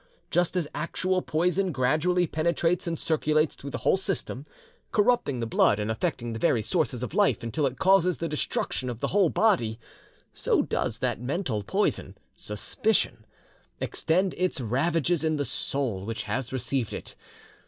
Just as actual poison gradually penetrates and circulates through the whole system, corrupting the blood and affecting the very sources of life until it causes the destruction of the whole body, so does that mental poison, suspicion, extend its ravages in the soul which has received it.